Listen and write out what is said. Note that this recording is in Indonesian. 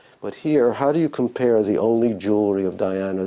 sejumlah perhiasan milik putri diana yang akan dijual